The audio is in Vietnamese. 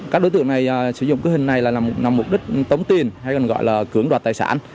các đối tượng này sử dụng cái hình này là mục đích tống tiền hay còn gọi là cưỡng đoạt tài sản